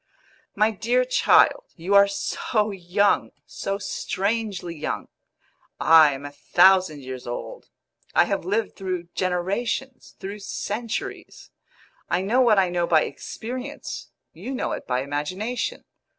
"My dear child, you are so young so strangely young. I am a thousand years old; I have lived through generations through centuries. I know what I know by experience; you know it by imagination.